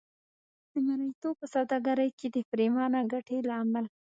د مریتوب په سوداګرۍ کې د پرېمانه ګټې له امله.